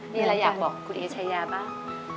ดีแล้วอยากบอกคุณเอ๊ใช้ยาบ้าง